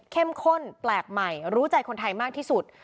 ข้นแปลกใหม่รู้ใจคนไทยมากที่สุด